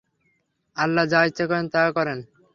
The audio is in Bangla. আল্লাহ্ যা ইচ্ছা করেন তা করেন।